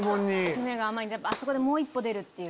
詰めが甘いんであそこでもう１歩出るっていう。